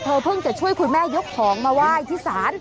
เพิ่งจะช่วยคุณแม่ยกของมาไหว้ที่ศาล